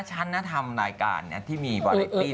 ฉันทำรายการที่มีวาเรตตี้